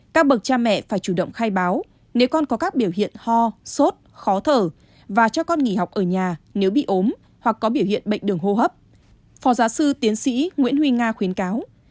các bậc cha mẹ phải chủ động khai báo nếu con có các biểu hiện ho sốt khó thở và cho con nghỉ học ở nhà nếu bị ốm hoặc có biểu hiện bệnh đường hô hấp phó giáo sư tiến sĩ nguyễn huy nga khuyến cáo